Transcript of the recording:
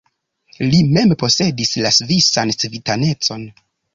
Li mem posedis la svisan civitanecon.